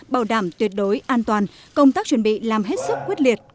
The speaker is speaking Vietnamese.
bảo đảm tuyệt đối an toàn công tác chuẩn bị làm hết sức quyết liệt